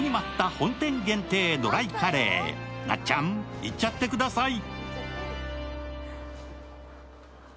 なっちゃん、いっちゃってください。